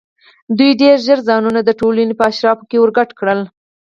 دوی ډېر ژر ځانونه د ټولنې په اشرافو کې ورګډ کړل.